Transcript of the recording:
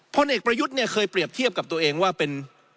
พลเอกประยุทธ์เนี่ยเคยเปรียบเทียบกับตัวเองว่าเป็น